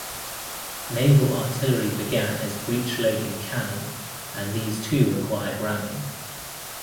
Naval artillery began as breech-loading cannon and these too required ramming.